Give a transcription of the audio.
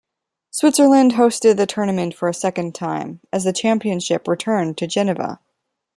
Switzerland hosted the tournament for a second time, as the championship returned to Geneva.